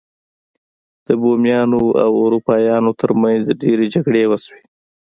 د بومیانو او اروپایانو ترمنځ ډیرې جګړې وشوې.